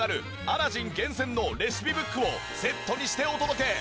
アラジン厳選のレシピブックをセットにしてお届け。